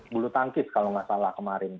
bulu tangkis kalau nggak salah kemarin